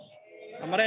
頑張れ！